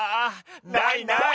ないない。